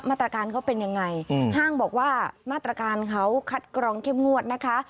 มาตรการเขาเป็นยังไงห้างบอกว่ามาตรการเขาคัดกรองเข้มงวดนะคะ